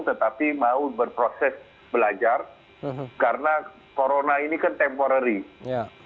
tetapi mau berproses belajar karena corona ini kan temporary